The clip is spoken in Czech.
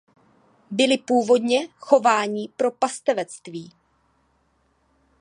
Byli původně chováni pro pastevectví.